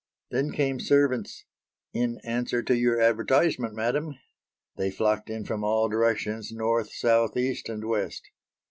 Then came servants "in answer to your advertisement, madam." They flocked in from all directions, north, south, east and west.